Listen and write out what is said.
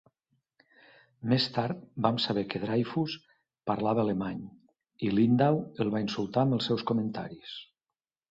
Més tard vam saber que Dryfoos parlava alemany, i Lindau el va insultar amb els seus comentaris.